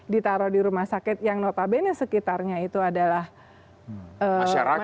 ditaruh di rumah sakit yang notabene sekitarnya itu adalah orang